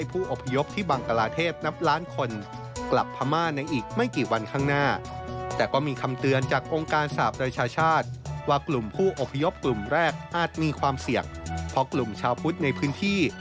เพื่อเห็นว่าใครที่เราเชื่อมันจะทำแบบนี้